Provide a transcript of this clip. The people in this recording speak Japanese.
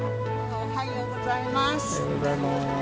おはようございます。